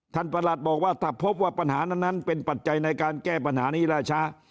ประหลัดบอกว่าถ้าพบว่าปัญหานั้นเป็นปัจจัยในการแก้ปัญหานี้ล่าช้า